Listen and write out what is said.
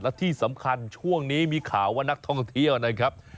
และที่สำคัญช่วงนี้มีข่าวว่านักท่องเที่ยวนะครับ